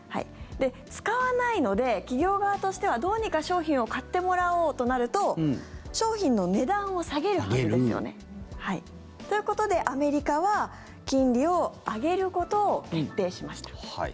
使わないので、企業側としてはどうにか商品を買ってもらおうとなると商品の値段を下げるはずですよね。ということで、アメリカは金利を上げることを決定しました。